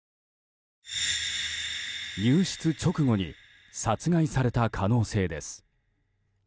入室直後に殺害された可能性です。